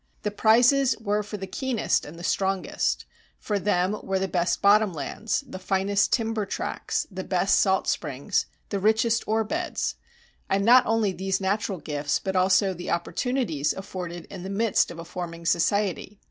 The prizes were for the keenest and the strongest; for them were the best bottom lands, the finest timber tracts, the best salt springs, the richest ore beds; and not only these natural gifts, but also the opportunities afforded in the midst of a forming society.